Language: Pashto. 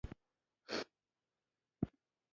انګېرنو محصول وو